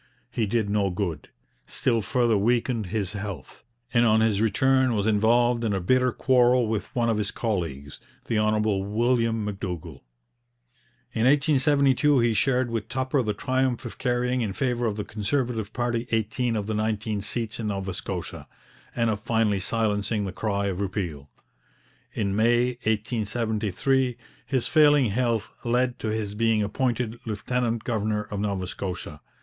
He did no good, still further weakened his health, and on his return was involved in a bitter quarrel with one of his colleagues, the Hon. William M'Dougall. In 1872 he shared with Tupper the triumph of carrying in favour of the Conservative party eighteen of the nineteen seats in Nova Scotia, and of finally silencing the cry of repeal. In May 1873 his failing health led to his being appointed lieutenant governor of Nova Scotia.